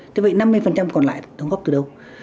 thế vậy năm mươi còn lại đóng góp từ đâu